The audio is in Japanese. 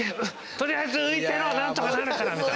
とりあえず浮いてろ何とかなるから！